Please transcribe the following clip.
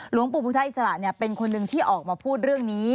หลวงปู่พุทธอิสระเป็นคนหนึ่งที่ออกมาพูดเรื่องนี้